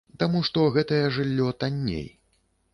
Таму што гэтае жыллё танней.